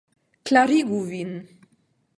Klarigu vin.